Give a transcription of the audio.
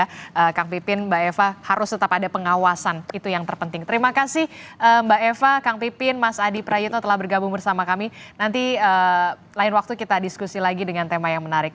terima kasih kang pipin mbak eva harus tetap ada pengawasan itu yang terpenting terima kasih mbak eva kang pipin mas adi prayitno telah bergabung bersama kami nanti lain waktu kita diskusi lagi dengan tema yang menarik